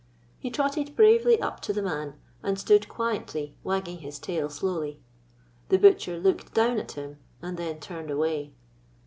He trotted bravely up to the man and stood quietly wagging his tail slowly. The butcher looked down at him, and then turned away.